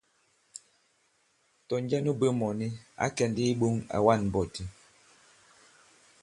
Tɔ̀ njɛ nu bwě mɔ̀ni, ǎ kɛ̀ ndi i iɓōŋ, à wa᷇n mbɔti.